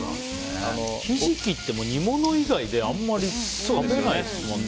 ヒジキって煮物以外であまり食べないですもんね。